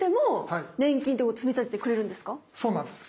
そうなんです。